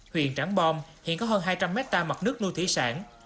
huyền trắng bom hiện có hơn hai trăm linh mét ta mặt nước nuôi thủy sản